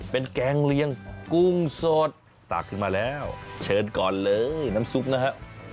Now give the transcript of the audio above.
เป็นแกงเลี้ยงกุ้งสดตักขึ้นมาแล้วเชิญก่อนเลยน้ำซุปนะฮะ